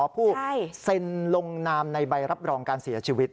ผู้เซ็นลงนามในใบรับรองการเสียชีวิต